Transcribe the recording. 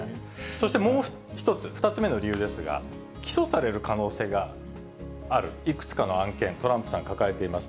そしてもう一つ、２つ目の理由ですが、起訴される可能性がある、いくつかの案件、トランプさん、抱えています。